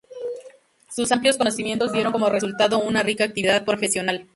Sus amplios conocimientos dieron como resultado una rica actividad profesional.